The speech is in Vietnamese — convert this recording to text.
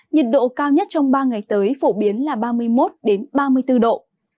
nhiệt độ cao nhất trong ba ngày tới phổ biến là ba mươi một ba mươi bốn độ